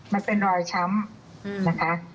มันเป็นรอยช้ำนะคะ